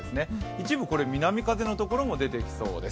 一部、南風のところも出てきそうです。